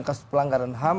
kasus pelanggaran ham